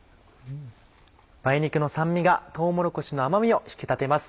梅肉の酸味がとうもろこしの甘みを引き立てます。